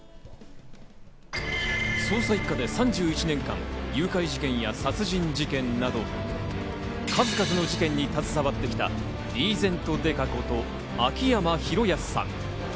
捜査１課で３１年間誘拐事件や殺人事件など数々の事件に携わってきたリーゼント刑事こと、秋山博康さん。